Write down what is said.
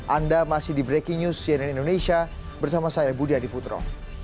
anda masih di breaking news cnn indonesia bersama saya budi adiputro